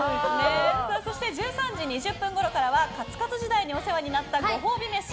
そして１３時２０分ごろからはカツカツ時代にお世話になったご褒美飯。